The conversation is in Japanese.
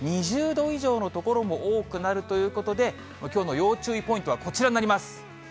２０度以上の所も多くなるということで、きょうの要注意ポイントはこちらになります。